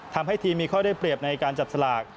ทำให้ทีมมีข้อได้เปรียบในการจับสลาก